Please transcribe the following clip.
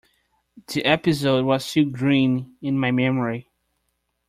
The episode was still green in my memory.